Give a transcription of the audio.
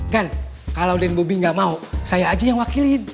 kan kalau dan bobi gak mau saya aja yang wakilin